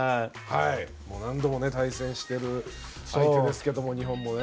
何度も対戦している相手ですけれども、日本もね。